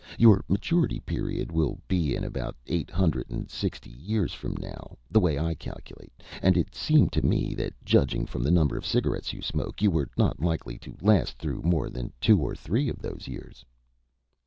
Your maturity period will be in about eight hundred and sixty years from now, the way I calculate, and it seemed to me that, judging from the number of cigarettes you smoke, you were not likely to last through more than two or three of those years."